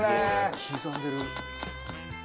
刻んでる！